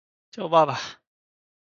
叫爸爸